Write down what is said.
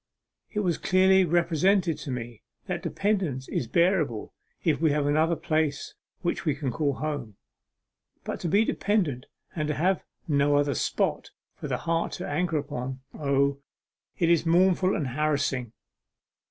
It was clearly represented to me that dependence is bearable if we have another place which we can call home; but to be a dependent and to have no other spot for the heart to anchor upon O, it is mournful and harassing!...